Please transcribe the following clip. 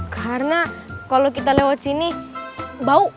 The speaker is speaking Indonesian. karena kalau kita lewat sini bau